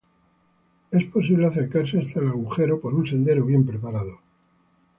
Es posible acercarse hasta el agujero por un sendero bien preparando.